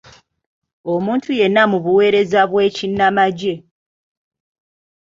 Omuntu yenna mu buweereza bw'ekinnamagye.